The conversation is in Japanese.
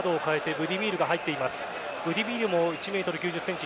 ブディミールも１ｍ９０ｃｍ